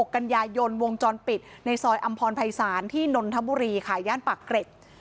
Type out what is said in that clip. กันยายนวงจรปิดในซอยอำพรภัยศาลที่นนทบุรีค่ะย่านปากเกร็ด